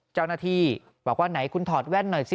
เจ้าหน้าที่บอกว่าไหนคุณถอดแว่นหน่อยสิ